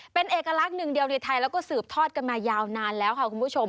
เป็นเอกลักษณ์หนึ่งเดียวในไทยแล้วก็สืบทอดกันมายาวนานแล้วค่ะคุณผู้ชม